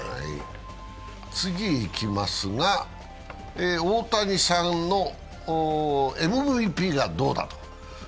次へいきますが、大谷さんのＭＶＰがどうだと。